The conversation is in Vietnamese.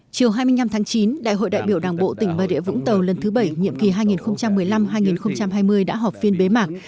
chiều hai mươi năm tháng chín đại hội đại biểu đảng bộ tỉnh bà rịa vũng tàu lần thứ bảy nhiệm kỳ hai nghìn một mươi năm hai nghìn hai mươi đã họp phiên bế mạc